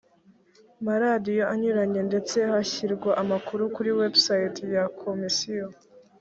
maradiyo anyuranye ndetse hashyirwa amakuru kuri website ya komisiyo